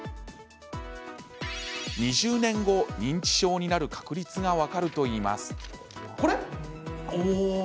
２０年後、認知症になる確率が分かるといいます。